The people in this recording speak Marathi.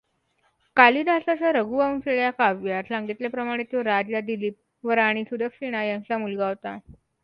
कालिदासाच्या रघुवंश या काव्यात सांगितल्याप्रमाणे तो राजा दिलीप व राणी सुदक्षिणा यांचा मुलगा होता.